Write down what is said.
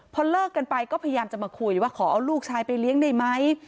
พอเลิกกันไปก็พยายามจะมาคุยว่าขอเอาลูกชายไปเลี้ยงได้ไหม